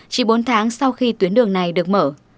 chỉ bốn tháng sau khi tuyến đường này được mở